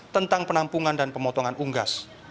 tentang penampungan dan pemotongan unggas